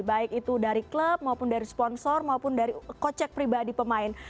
baik itu dari klub maupun dari sponsor maupun dari kocek pribadi pemain